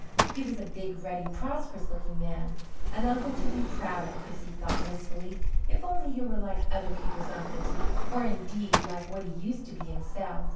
He was a big, ruddy, prosperous looking man an uncle to be proud of, Prissy thought wistfully, if only he were like other people's uncles, or, indeed, like what he used to be himself.